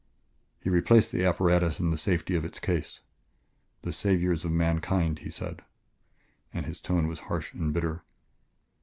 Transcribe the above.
He replaced the apparatus in the safety of its case. "The saviors of mankind!" he said, and his tone was harsh and bitter.